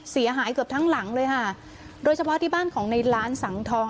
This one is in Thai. เสียหายเกือบทั้งหลังเลยค่ะโดยเฉพาะที่บ้านของในร้านสังทอง